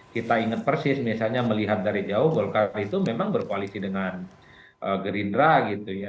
kita ingat persis misalnya melihat dari jauh golkar itu memang berkoalisi dengan gerindra gitu ya